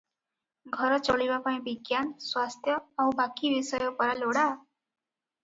ଘର ଚଳିବା ପାଇଁ ବିଜ୍ଞାନ, ସ୍ୱାସ୍ଥ୍ୟ ଆଉ ବାକି ବିଷୟ ପରା ଲୋଡ଼ା ।